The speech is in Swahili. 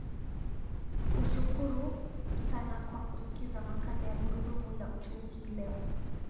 ushukuru sana kwa kuskiza makala ya gurudumu la uchumi hii leo